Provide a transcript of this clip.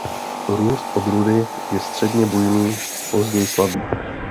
Růst odrůdy je středně bujný později slabý.